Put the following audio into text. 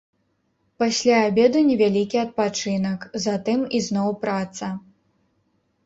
Пасля абеду невялікі адпачынак, затым ізноў праца.